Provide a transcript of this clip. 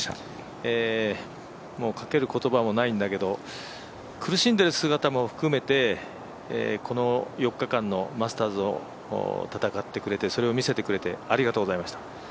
もうかける言葉もないんだけど苦しんでる姿も含めてこの４日間のマスターズを戦ってくれてそれを見せてくれて、ありがとうございました。